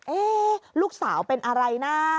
ลูกสาวเป็นอะไรนะ